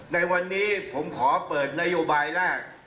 ในวันนี้ผมขอเปิดนโยบายแรก